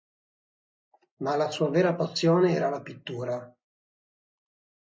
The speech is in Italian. Ma la sua vera passione era la pittura.